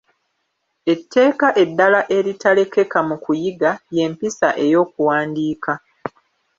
Etteeka eddala eritalekeka mu kuyiga, ye mpisa ey'okuwandiika.